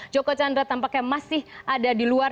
joko chandra tampaknya masih ada di luar